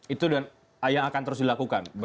itu dan yang akan terus dilakukan